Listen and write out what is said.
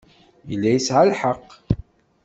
Yella yesɛa lḥeqq.